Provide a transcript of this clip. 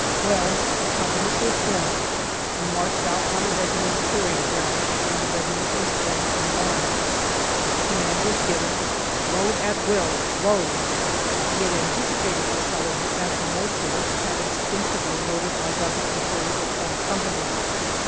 Well, the companies were formed, we marched out on the regimental parade ground, and the regiment was formed in line. The command was given: "Load at will; load!" We had anticipated this, however, as the most of us had instinctively loaded our guns before we had formed company.